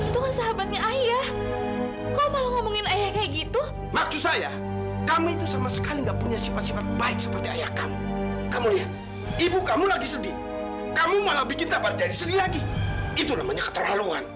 tunggu sahabatnya ayah kau malu ngomongin kayak gitu maksudnya kami itu sama sekali gak punya sifat sifat baik seperti ayah kamu kamulah ibu kamu lagi sedih kamu malah bikin tak berjadi sedih lagi itu namanya keterlaluan